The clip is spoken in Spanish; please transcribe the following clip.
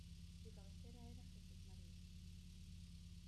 Su cabecera era Jesús María.